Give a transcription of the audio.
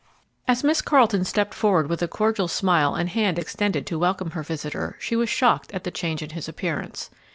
As Miss Carleton stepped forward with cordial smile and hand extended to welcome her visitor, she was shocked at the change in his appearance.